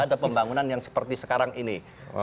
ada pembangunan yang seperti sekarang ini